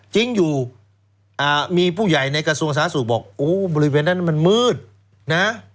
จริงอยู่มีผู้ใหญ่ในกระทรวงสาธารณสุขบอกโอ้บริเวณนั้นมันมืดนะ